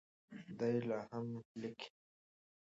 دی لا هم لیکي.